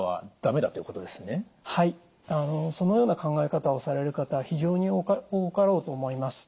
そのような考え方をされる方は非常に多かろうと思います。